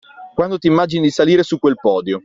Quando ti immagini di salire su quel podio.